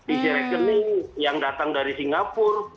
isi rekening yang datang dari singapura